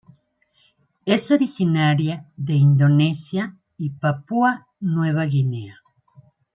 Es originaria de Indonesia y Papúa Nueva Guinea.